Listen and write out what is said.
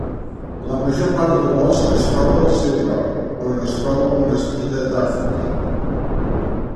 La major part del bosc es troba al seu nord, on es troba el monestir de Daphni.